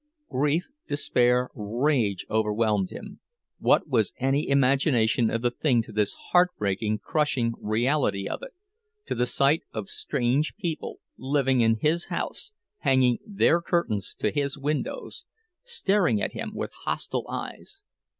Grief, despair, rage, overwhelmed him—what was any imagination of the thing to this heartbreaking, crushing reality of it—to the sight of strange people living in his house, hanging their curtains to his windows, staring at him with hostile eyes!